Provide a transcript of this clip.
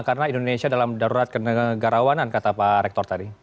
karena indonesia dalam darurat kenegarawanan kata pak rektor tadi